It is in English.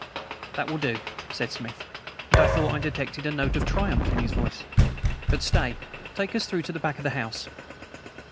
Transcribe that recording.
"That will do," said Smith, and I thought I detected a note of triumph in his voice. "But stay! Take us through to the back of the house."